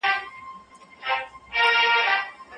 موږ باید د غلطو تبلیغاتو مخه ونیسو.